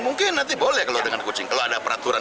mungkin nanti boleh kalau dengan kucing kalau ada peraturan